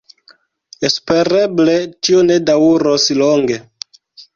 Espereble tio ne daŭros longe.